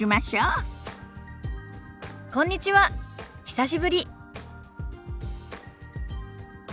久しぶり。